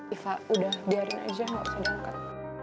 iva udah diarin aja gak usah diangkat